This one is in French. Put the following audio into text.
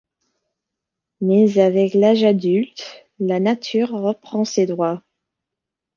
Mais avec l'âge adulte, la Nature reprend ses droits.